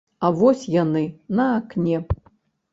А вось яны, на акне.